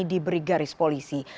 diberi garis polisi